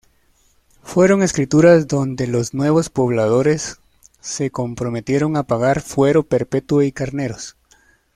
Fueron escrituras donde los nuevos pobladores se comprometieron a pagar fuero perpetuo y carneros.